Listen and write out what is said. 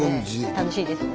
楽しいですもんね。